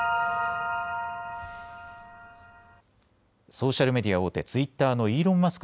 ソーシャルメディア大手、ツイッターのイーロン・マスク